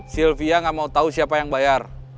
sylvia gak mau tahu siapa yang bayar